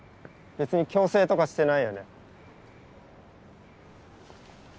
別に強制とかしてないよね。